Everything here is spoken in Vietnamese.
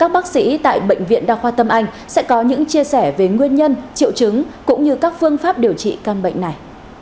bác sĩ tại bệnh viện đa khoa tâm anh sẽ có những chia sẻ về nguyên nhân triệu chứng cũng như các phương pháp điều trị căn bệnh này